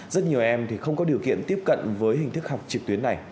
rất nhiều em thì không có điều kiện tiếp cận với hình thức học trực tuyến này